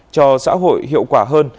cho xã hội hiệu quả hơn